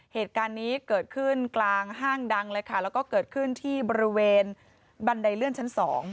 เหตุการณ์นี้เกิดขึ้นกลางห้างดังเลยค่ะแล้วก็เกิดขึ้นที่บริเวณบันไดเลื่อนชั้น๒